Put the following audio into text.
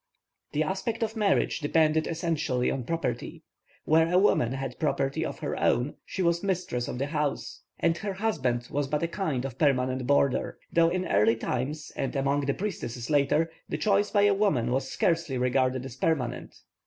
The aspect of marriage depended essentially on property. Where a woman had property of her own she was mistress of the house, and her husband was but a kind of permanent boarder. Though in early times, and among the priestesses later, the choice by a woman was scarcely regarded as permanent.